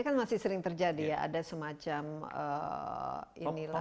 ini kan masih sering terjadi ya ada semacam inilah